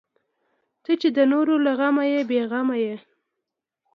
ته چې د نورو له غمه بې غمه یې.